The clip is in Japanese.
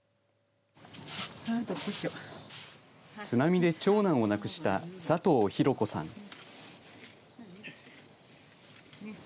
津波で長男を亡くした佐藤博子さん。